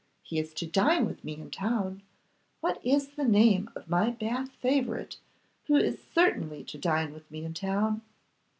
He is to dine with me in town. What is the name of my Bath favourite who is certainly to dine with me in town?